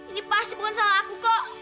ini pasti bukan salah aku kok